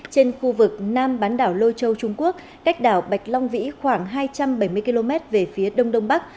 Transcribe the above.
trên khu vực nam bán đảo lôi châu trung quốc cách đảo bạch long vĩ khoảng hai trăm bảy mươi km về phía đông đông bắc